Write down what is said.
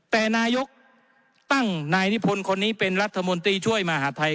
แต่นายกตั้งนายนิพนธ์คนนี้เป็นรัฐมนตรีช่วยมหาทัย